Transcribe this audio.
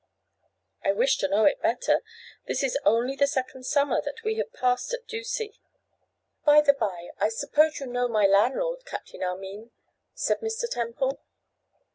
'I wish to know it better. This is only the second summer that we have passed at Ducie.' 'By the bye, I suppose you know my landlord, Captain Armine?' said Mr. Temple.